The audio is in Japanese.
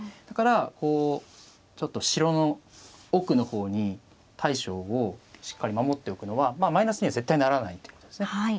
だからちょっと城の奥の方に大将をしっかり守っておくのはマイナスには絶対ならないってことですね。